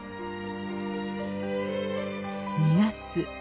２月。